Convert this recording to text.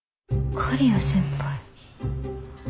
刈谷先輩。